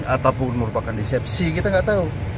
ataupun merupakan disepsi kita nggak tahu